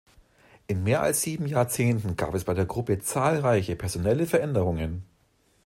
In mehr als sieben Jahrzehnten gab es bei der Gruppe zahlreiche personelle Veränderungen.